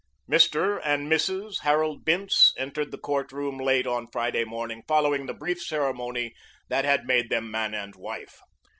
Mr. and Mrs. Harold Bince entered the court room late on Friday morning following the brief ceremony that had made them man and wife.